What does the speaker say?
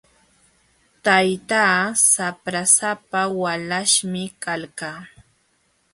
Taytaa shaprasapa walaśhmi kalqa.